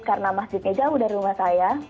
karena masjidnya jauh dari rumah saya